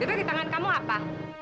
itu di tangan kamu apa